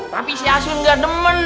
tapi si asun gak nemen